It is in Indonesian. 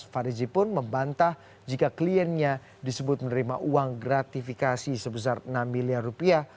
fariji pun membantah jika kliennya disebut menerima uang gratifikasi sebesar enam miliar rupiah